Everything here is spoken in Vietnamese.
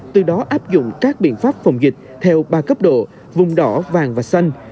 từ đó áp dụng các biện pháp phòng dịch theo ba cấp độ vùng đỏ vàng và xanh